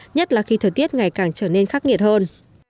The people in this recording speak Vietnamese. nhất là khi thời tiết ngày càng trở nên khắc nghiệt hơn